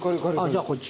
じゃあこっち。